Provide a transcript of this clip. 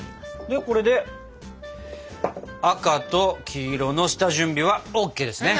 でこれで赤と黄色の下準備はＯＫですね！